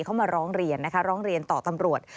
เขามาร้องเรียนนะคะร้องเรียนต่อตำรวจ